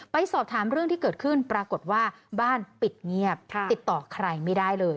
สอบถามเรื่องที่เกิดขึ้นปรากฏว่าบ้านปิดเงียบติดต่อใครไม่ได้เลย